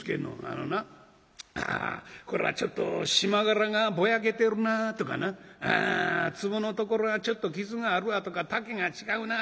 「あのな『ああこらあちょっと縞柄がぼやけてるな』とかな『つぼのところがちょっと傷があるわ』とか『丈が違うな。